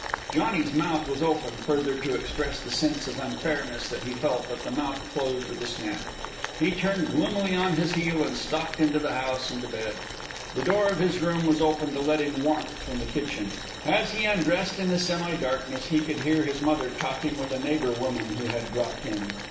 Johnny's mouth was open, further to express the sense of unfairness that he felt, but the mouth closed with a snap. He turned gloomily on his heel and stalked into the house and to bed. The door of his room was open to let in warmth from the kitchen. As he undressed in the semi darkness he could hear his mother talking with a neighbour woman who had dropped in.